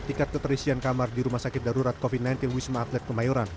tingkat keterisian kamar di rumah sakit darurat covid sembilan belas wisma atlet kemayoran